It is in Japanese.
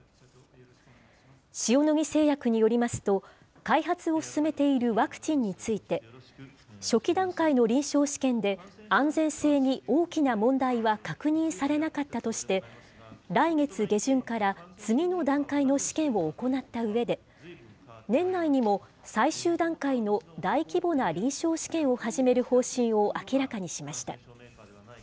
塩野義製薬によりますと、開発を進めているワクチンについて、初期段階の臨床試験で、安全性に大きな問題は確認されなかったとして、来月下旬から次の段階の試験を行ったうえで、年内にも最終段階の大規模な臨床試験を始める方針を明らかにしました。